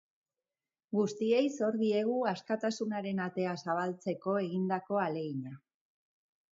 Guztiei zor diegu askatasunaren atea zabaltzeko egindako ahalegina.